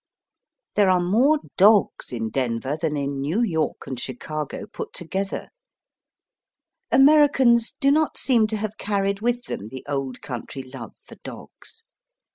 There are more dogs in Denver than in New York and Chicago put together. Americans do not seem to have carried with them the old country love for dogs.